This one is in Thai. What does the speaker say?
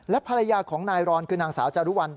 ภรรยาของนายรอนคือนางสาวจารุวัล